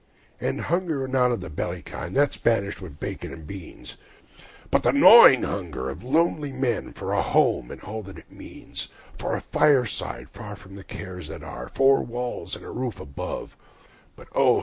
And hunger not of the belly kind, that's banished with bacon and beans, But the gnawing hunger of lonely men for a home and all that it means; For a fireside far from the cares that are, four walls and a roof above; But oh!